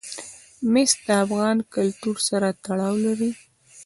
مس د افغان کلتور سره تړاو لري.